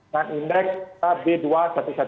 nah indeks b dua ratus sebelas a